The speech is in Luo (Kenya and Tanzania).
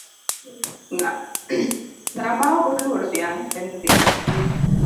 Ng'ama ok oluoro dhiang' en dhiang'.